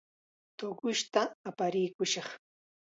Shuqushta aparikushaq.